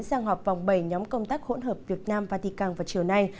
sang họp vòng bảy nhóm công tác hỗn hợp việt nam vatican vào chiều nay